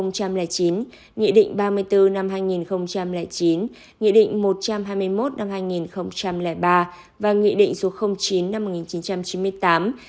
năm hai nghìn chín nghị định ba mươi bốn năm hai nghìn chín nghị định một trăm hai mươi một năm hai nghìn ba và nghị định số chín năm một nghìn chín trăm chín mươi tám